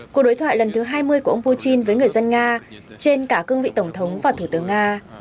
cuộc đối thoại lần thứ hai mươi của ông putin với người dân nga trên cả cương vị tổng thống và thủ tướng nga